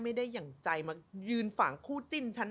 อย่างใจมายืนฝั่งคู่จิ้นฉัน